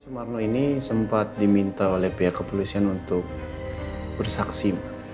sumarno ini sempat diminta oleh pihak kepolisian untuk bersaksi